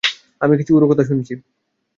আমি কিছু উড়ো কথা শুনেছি।